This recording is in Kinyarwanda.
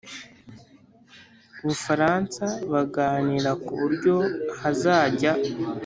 Bufaransa baganira ku buryo hazajya